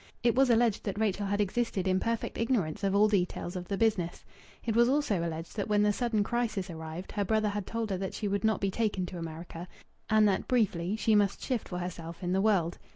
It was alleged that Rachel had existed in perfect ignorance of all details of the business. It was also alleged that when the sudden crisis arrived, her brother had told her that she would not be taken to America, and that, briefly, she must shift for herself in the world.